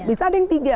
bisa ada yang tiga